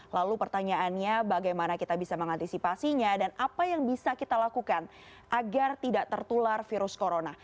lalu pertanyaannya bagaimana kita bisa mengantisipasinya dan apa yang bisa kita lakukan agar tidak tertular virus corona